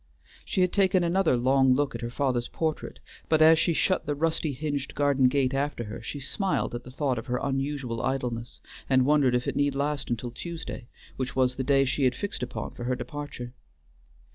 She had taken another long look at her father's portrait, but as she shut the rusty hinged garden gate after her, she smiled at the thought of her unusual idleness, and wondered if it need last until Tuesday, which was the day she had fixed upon for her departure.